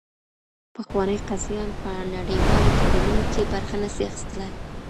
پخواني قاضیان په نړیوالو تړونونو کي برخه نه سي اخیستلای.